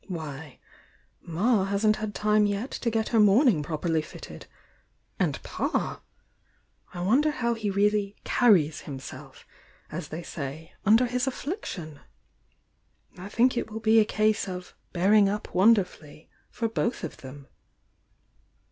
— why Ma hasn't had time yet to get her mourning properly fitted! And Pa! I wonder how he really 'carries' himself, aa they say, under his aflBiction! I think it will be a case of 'bearing up wonderfully,' for both of them.